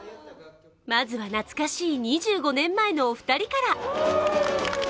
まずは懐かしい２５年前のお二人から。